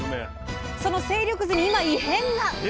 その勢力図に今異変が！